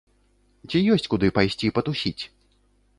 Ці ёсць куды пайсці патусіць?